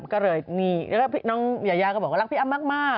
แล้วก็พี่น้องยายายหน่อยลากพี่อัมมาก